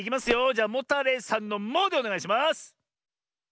じゃモタレイさんの「モ」でおねがいします！